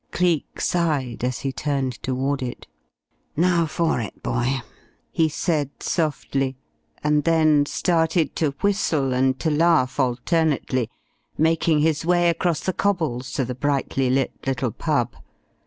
Cleek sighed as he turned toward it. "Now for it, boy," he said softly, and then started to whistle and to laugh alternately, making his way across the cobbles to the brightly lit little pub.